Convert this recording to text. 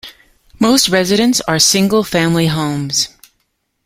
Most residences are single-family homes.